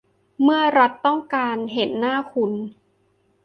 เมื่อรัฐต้องการเห็นหน้าคุณ